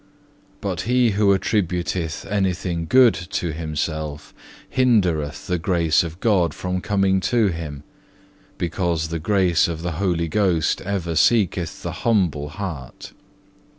2. "But he who attributeth anything good to himself, hindereth the grace of God from coming to him, because the grace of the Holy Ghost ever seeketh the humble heart.